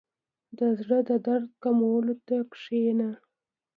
• د زړۀ د درد کمولو ته کښېنه.